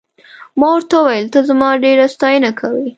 ما ورته وویل ته زما ډېره ستاینه کوې.